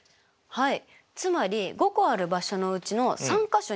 はい。